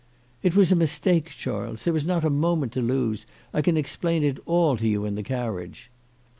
" It was a mistake, Charles ; there is not a moment to lose. I can explain it all to you in the carriage."